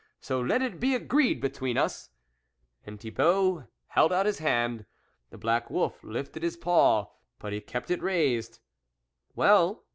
So let it be agreed between us !" and Thibault held out his hand. The black wolf lifted his paw, but he kept it raised. Well